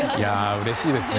うれしいですね！